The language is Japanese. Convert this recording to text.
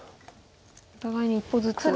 お互いに一歩ずつ。